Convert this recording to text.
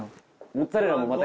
モッツァレラも最高！